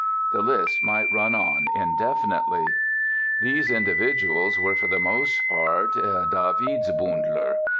The list might run on indefinitely! These individuals were, for the most part, Davidsbündler.